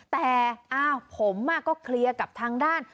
แต่ผมก็เคลียร์กับทางด้าน